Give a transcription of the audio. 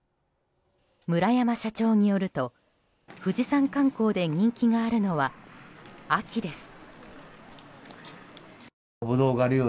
村山社長によると富士山観光で人気があるのは秋です。